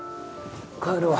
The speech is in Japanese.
帰るわ。